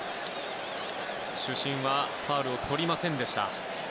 主審はファウルをとりませんでした。